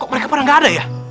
mereka pernah nggak ada ya